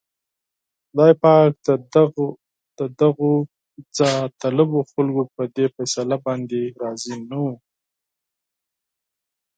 خدای پاک د دغو جاهطلبو خلکو په دې فيصله باندې راضي نه و.